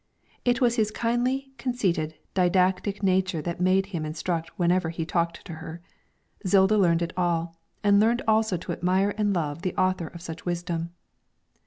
It was his kindly, conceited, didactic nature that made him instruct whenever he talked to her. Zilda learned it all, and learned also to admire and love the author of such wisdom.